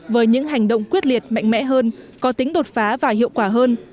với những hành động quyết liệt mạnh mẽ hơn có tính đột phá và hiệu quả hơn